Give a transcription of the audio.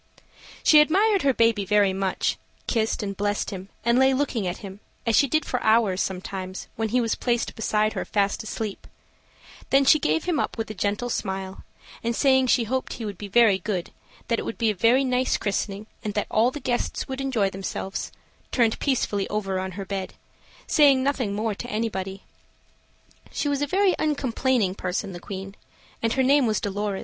She admired her baby very much; kissed and blessed him, and lay looking at him, as she did for hours sometimes, when he was placed beside her fast asleep; then she gave him up with a gentle smile, and, saying she hoped he would be very good, that it would be a very nice christening, and all the guests would enjoy themselves, turned peacefully over on her bed, saying nothing more to anybody. She was a very uncomplaining person, the Queen and her name was Dolorez.